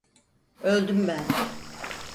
Öldüm ben…